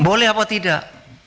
boleh apa tidak